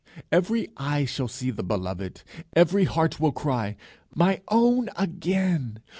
Every eye shall see the beloved, every heart will cry, "My own again!